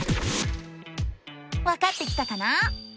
わかってきたかな？